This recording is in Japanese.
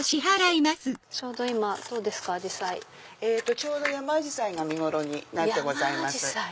ちょうどヤマアジサイが見頃になってございます。